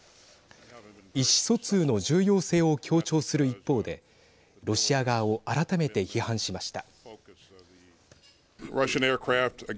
意思疎通の重要性を強調する一方でロシア側を改めて批判しました。